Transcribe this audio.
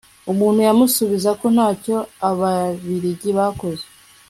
umuntu yamusubiza ko ntacyo ababiligi bakoze